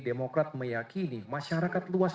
demokrat meyakini masyarakat luas